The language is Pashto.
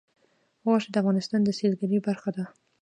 غوښې د افغانستان د سیلګرۍ برخه ده.